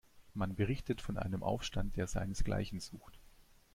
Man berichtet von einem Aufstand, der seinesgleichen sucht.